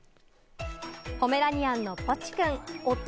ポメラニアンのポチくん。